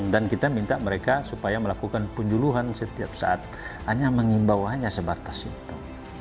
dan kita minta mereka supaya melakukan penjuluhan setiap saat hanya mengimbau hanya sebatas itu